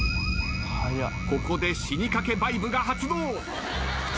ここで死にかけバイブが発動。